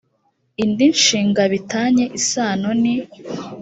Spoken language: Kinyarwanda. indi nshinga bi tanye isano ni